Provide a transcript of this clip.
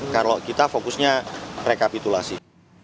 kalau kita fokusnya rekapitulasi